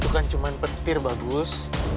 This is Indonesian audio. itu kan cuma petir bagus